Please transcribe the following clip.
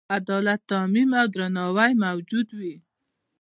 عدالت تأمین او درناوی موجود وي.